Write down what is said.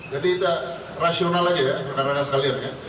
jadi itu rasional aja ya karena kalian ya